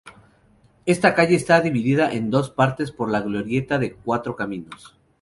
Esta calle está dividida en dos partes por la glorieta de Cuatro Caminos.